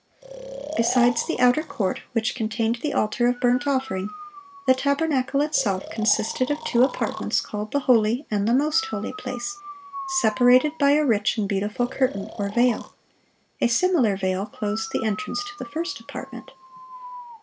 Besides the outer court, which contained the altar of burnt offering, the tabernacle itself consisted of two apartments called the holy and the most holy place, separated by a rich and beautiful curtain, or veil; a similar veil closed the entrance to the first apartment.